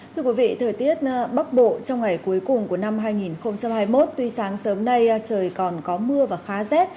thưa quý vị thời tiết bắc bộ trong ngày cuối cùng của năm hai nghìn hai mươi một tuy sáng sớm nay trời còn có mưa và khá rét